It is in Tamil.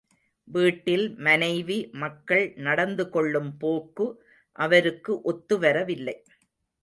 வீட்டில் மனைவி மக்கள் நடந்து கொள்ளும் போக்கு அவருக்கு ஒத்துவரவில்லை.